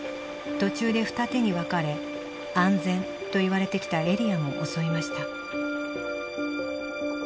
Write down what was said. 途中で二手に分かれ安全といわれてきたエリアも襲いました。